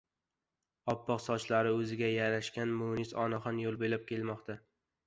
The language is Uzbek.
Oppoq sochlari o‘ziga yarashg‘an munis onaxon yo‘l bo‘ylab kelmoqda.